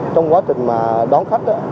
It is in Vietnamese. trong quá trình đón khách